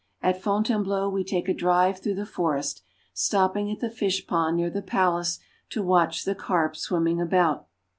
At Fontainebleau we take a drive through the forest, stopping at the fish pond near the palace to watch the carp swimming about.